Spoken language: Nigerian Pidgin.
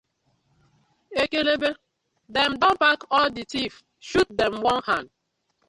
Ekekebe don pack all the thief shoot dem one hand.